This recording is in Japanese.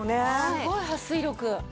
すごいはっ水力。